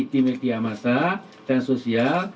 di media masa dan sosial